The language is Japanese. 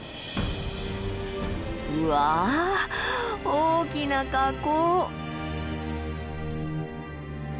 うわ大きな火口！